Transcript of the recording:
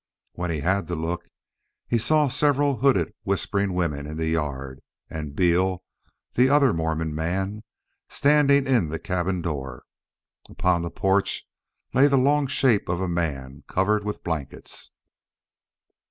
When he had to look he saw several hooded, whispering women in the yard, and Beal, the other Mormon man, standing in the cabin door. Upon the porch lay the long shape of a man, covered with blankets.